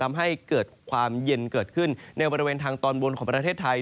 ทำให้เกิดความเย็นเกิดขึ้นในบริเวณทางตอนบนของประเทศไทย